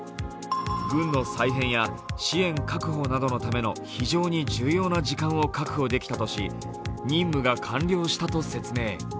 軍の再編や支援確保などのための非常に重要な時間を確保できたとし、任務が完了したと説明。